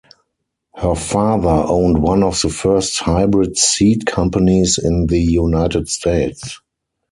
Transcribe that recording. Her father owned one of the first hybrid seed companies in the United States.